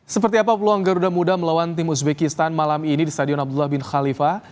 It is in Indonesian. seperti apa peluang garuda muda melawan tim uzbekistan malam ini di stadion abdullah bin khalifah